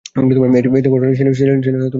এতে ঘটনাস্থলেই সেলিনা ও তাঁর এক ছেলে মারা যায়।